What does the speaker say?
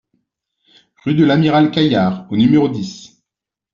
Rue de l'Amiral Caillard au numéro dix